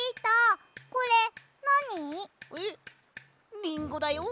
リンゴだよ。